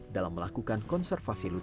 dalam melakukan konservasi tersebut